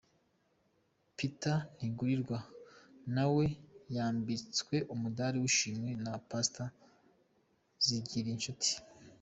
Peter Ntigurirwa nawe yambitswe umudari w'ishimwe na Pastor Zigirinshuti.